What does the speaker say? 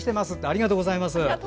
ありがとうございます。